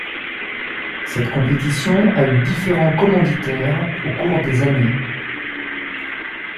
Cette compétition a eu différents commanditaires au cours des années.